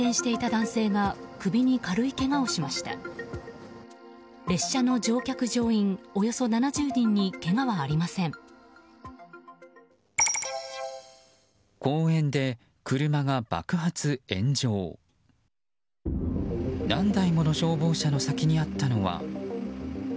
何台もの消防車の先にあったのは。